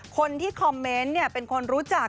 คนที่คอมเมนต์เป็นคนรู้จัก